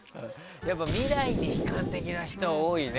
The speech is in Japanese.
未来に悲観的な人多いね。